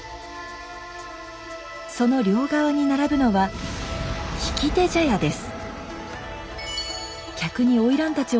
その両側に並ぶのは「引手茶屋」です。